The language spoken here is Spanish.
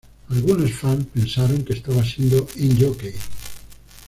Algunos fans pensaron que estaba siendo 'en-jokey'.